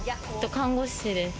看護師です。